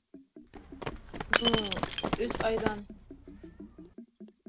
Ну... өс айҙан...